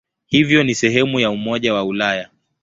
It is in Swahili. Hivyo ni sehemu ya Umoja wa Ulaya.